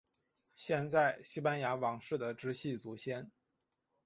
现在西班牙王室的直系祖先。